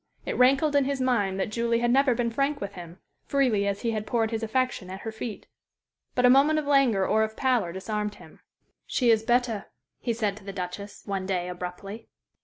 It rankled in his mind that Julie had never been frank with him, freely as he had poured his affection at her feet. But a moment of languor or of pallor disarmed him. "She is better," he said to the Duchess one day, abruptly.